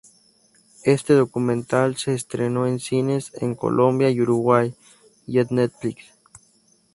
Este documental se estrenó en cines en Colombia y Uruguay, y en Netflix